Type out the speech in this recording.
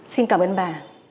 xin cảm ơn bà